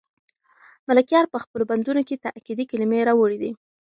ملکیار په خپلو بندونو کې تاکېدي کلمې راوړي دي.